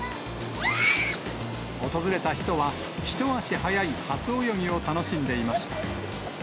訪れた人は、一足早い初泳ぎを楽しんでいました。